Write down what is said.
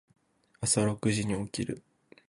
朝六時に起きる。